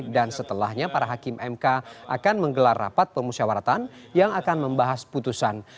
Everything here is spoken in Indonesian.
dan setelahnya para hakim mk akan menggelar rapat pemusyawaratan yang akan membahas putusan